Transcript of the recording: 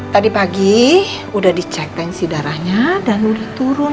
tadi pagi udah dicek tensi darahnya dan udah turun